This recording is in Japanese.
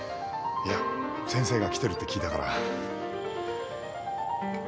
いや先生が来てるって聞いたから。